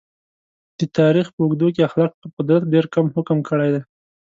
د تاریخ په اوږدو کې اخلاق پر قدرت ډېر کم حکم کړی دی.